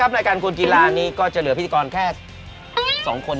๓รอบไหมครับเฮียแบบนี้ครับผม